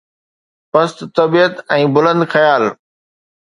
پست طبيعت ۽ بلند خيال